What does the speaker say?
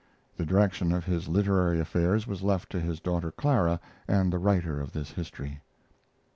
The direction of his literary affairs was left to his daughter Clara and the writer of this history.